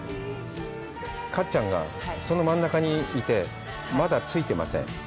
かっちゃんが、その真ん中にいて、まだ着いてません。